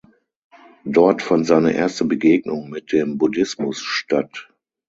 Dort fand seine erste Begegnung mit dem Buddhismus statt.